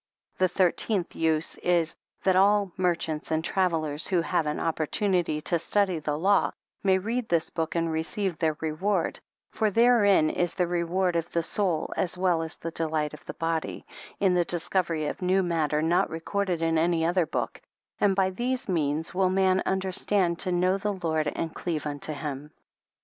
The thirteenth use is, that all merchants and travellers, who have an opportunity to study the law, may read this book and receive their reward, for therein is the reward of the soul as well as the delight of the body, in the discovery of new matter not recorded in any other book, and by these means will man understand to know the Lord and cleave unto him.